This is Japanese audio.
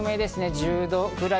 １０度ぐらい。